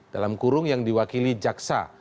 dalam kurung yang diwakili jaksa